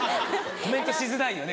コメントしづらいよね